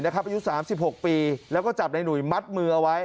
อายุ๓๖ปีแล้วก็จับนายหนุ่ยมัดมือเอาไว้